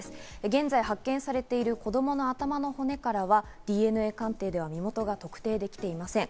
現在発見されている子供の頭の骨からはＤＮＡ鑑定では身元が特定できていません。